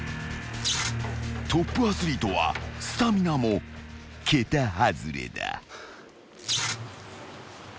［トップアスリートはスタミナも桁外れだ］